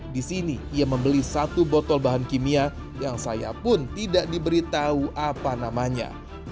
di sini ia membeli satu botol bahan kimia yang saya pun tidak diberitahu apa namanya